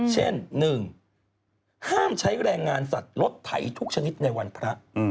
เช่น๑ห้ามใช้แรงงานสัตว์รถไถทุกชนิดในวันพระ